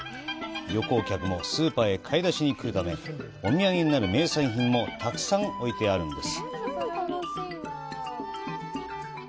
旅行客もスーパーへ買い出しに来るため、お土産になる名産品もたくさん置いてあるんです。